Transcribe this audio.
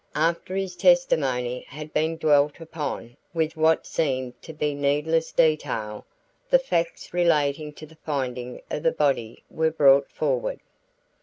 After his testimony had been dwelt upon with what seemed to me needless detail, the facts relating to the finding of the body were brought forward.